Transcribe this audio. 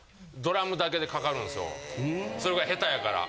それぐらい下手やから。